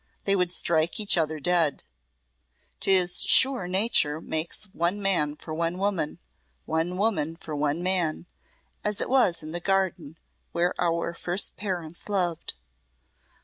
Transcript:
They would strike each other dead. 'Tis sure nature makes one man for one woman, one woman for one man as it was in the garden where our first parents loved.